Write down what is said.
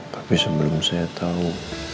tapi sebelum saya tahu